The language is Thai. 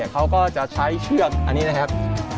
เขาก็จะใช้เชือกอันนี้นะครับ